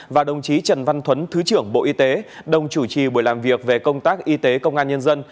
và đồng chí trần văn thuấn thứ trưởng bộ y tế đồng chủ trì buổi làm việc về công tác y tế công an nhân dân